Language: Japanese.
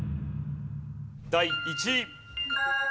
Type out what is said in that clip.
第１位。